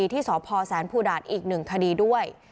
ที่สพแสนภูดาษอีกหนึ่งคดีด้วย